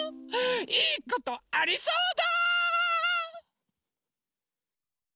いいことありそうだ！